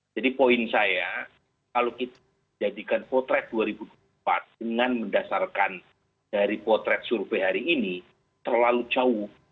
poin saya kalau kita jadikan potret dua ribu dua puluh empat dengan mendasarkan dari potret survei hari ini terlalu jauh